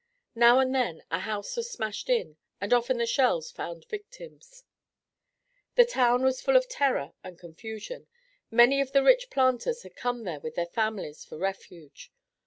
Now and then a house was smashed in and often the shells found victims. The town was full of terror and confusion. Many of the rich planters had come there with their families for refuge.